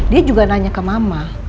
dia juga nanya ke mama